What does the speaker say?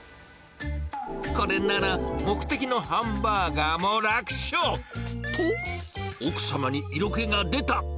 これなら、目的のハンバーガーも楽勝、と、奥様に色気が出た。